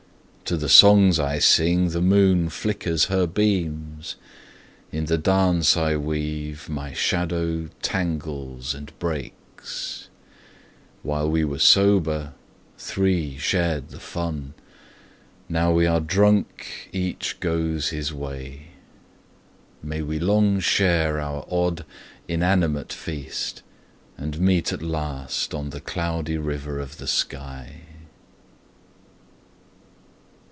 To the songs I sing the moon flickers her beams; In the dance I weave my shadow tangles and breaks. While we were sober, three shared the fun; Now we are drunk, each goes his way. May we long share our odd, inanimate feast, And meet at last on the Cloudy River of the sky.